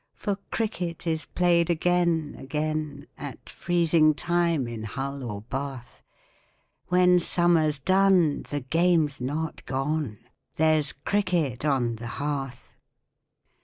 For Cricket is played again, again, At freezing time in Hull or Bath; When summer's done the game's not gone There's Cricket on the Hearth!